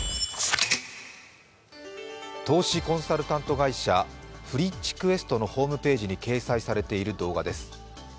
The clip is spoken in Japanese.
投資コンサルタント会社、ＦＲｉｃｈＱｕｅｓｔのホームページに掲載されている動画です。